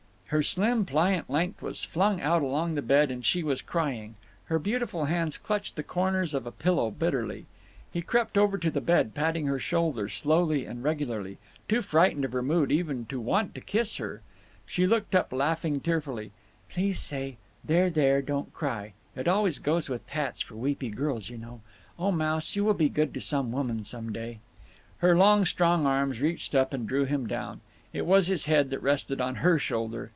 Her slim pliant length was flung out along the bed, and she was crying. Her beautiful hands clutched the corners of a pillow bitterly. He crept over to the bed, patting her shoulder, slowly and regularly, too frightened of her mood even to want to kiss her. She looked up, laughing tearfully. "Please say, 'There, there, there; don't cry.' It always goes with pats for weepy girls, you know…. O Mouse, you will be good to some woman some day." Her long strong arms reached up and drew him down. It was his head that rested on her shoulder.